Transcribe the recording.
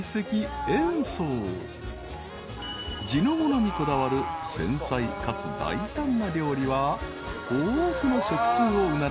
［地のものにこだわる繊細かつ大胆な料理は］